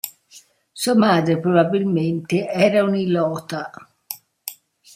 Sua madre probabilmente era un'ilota.